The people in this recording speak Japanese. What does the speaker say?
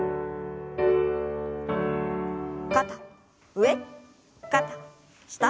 肩上肩下。